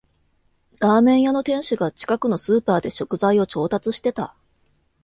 ラーメン屋の店主が近くのスーパーで食材を調達してた